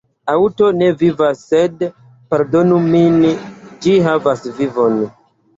Aŭto ne vivas sed – pardonu min – ĝi havas vivon.